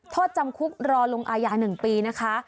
โทษจำคุกรอลงอายา๑ปีนะคะ